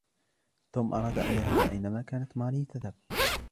توم أراد أن يذهب أينما كانت ماري تذهب.